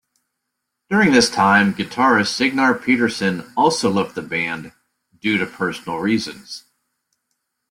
During this time, guitarist Signar Petersen also left the band, due to personal reasons.